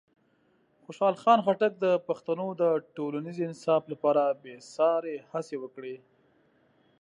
خوشحال خان خټک د پښتنو د ټولنیز انصاف لپاره بېساري هڅې وکړې.